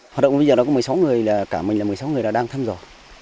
học động bây giờ có một mươi sáu người cả mình là một mươi sáu người đang thăm dò